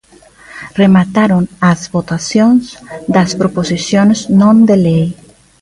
Remataron as votacións das proposicións non de lei.